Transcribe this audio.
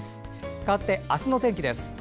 かわって、明日の天気です。